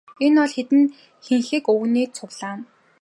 Энэ бол хэдэн хэнхэг өвгөний цуглаан.